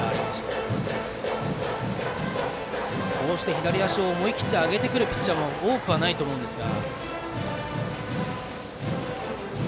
あのように左足を思い切って上げてくるピッチャーも多くはないと思いますが。